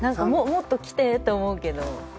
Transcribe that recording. もっときてって思うけど。